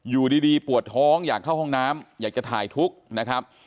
อยู่ดีปวดท้องอยากเข้าห้องน้ำอยากจะถ่ายทุกข์นะครับ